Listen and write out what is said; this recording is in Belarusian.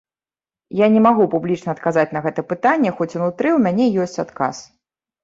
Я не магу публічна адказаць на гэта пытанне, хоць унутры ў мяне ёсць адказ.